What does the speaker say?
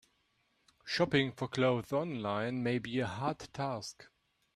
Shopping for clothes online can be a hard task.